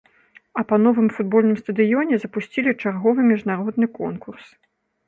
А па новым футбольным стадыёне запусцілі чарговы міжнародны конкурс.